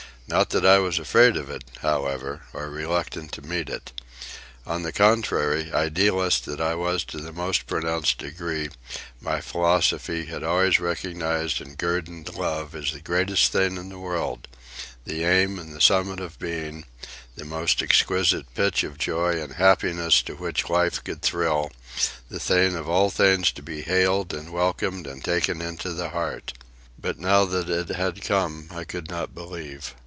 Not that I was afraid of it, however, or reluctant to meet it. On the contrary, idealist that I was to the most pronounced degree, my philosophy had always recognized and guerdoned love as the greatest thing in the world, the aim and the summit of being, the most exquisite pitch of joy and happiness to which life could thrill, the thing of all things to be hailed and welcomed and taken into the heart. But now that it had come I could not believe.